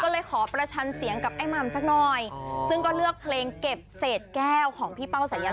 ก็เลยขอประชันเสียงกับไอ้หม่ำสักหน่อยซึ่งก็เลือกเพลงเก็บเศษแก้วของพี่เป้าสายัน